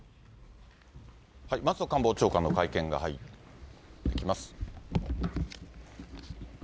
松野官房長官の会見が入ってきます。